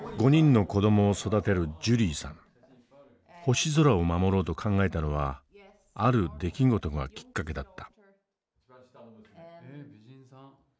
星空を守ろうと考えたのはある出来事がきっかけだった。